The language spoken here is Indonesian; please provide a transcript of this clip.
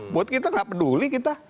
buat kita gak peduli kita